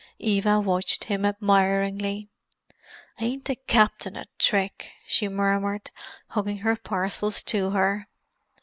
Eva watched him admiringly. "Ain't the Captin a trick!" she murmured, hugging her parcels to her.